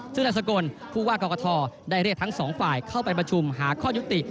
ซึ่งอัศกลผู้ว่ากรกฐได้เรียกทั้งสองฝ่ายเข้าไปประชุมหาข้อยุติ